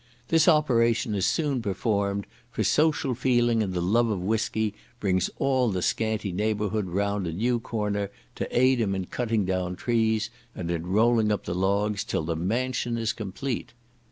This operation is soon performed, for social feeling and the love of whiskey bring all the scanty neighbourhood round a new corner, to aid him in cutting down trees, and in rolling up the logs, till the mansion is complete.